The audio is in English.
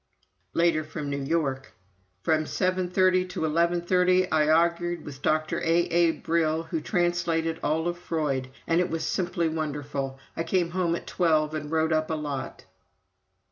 '" Later, from New York: "From seven thirty to eleven thirty I argued with Dr. A.A. Brill, who translated all of Freud!!! and it was simply wonderful. I came home at twelve and wrote up a lot."